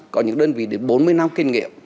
có những đơn vị đến bốn mươi năm kinh nghiệm